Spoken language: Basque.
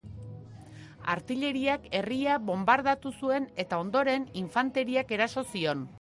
Artilleriak herria bonbardatu zuen eta, ondoren, infanteriak eraso zion.